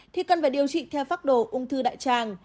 thì cần phải điều trị theo pháp đồ ung thư đại tràng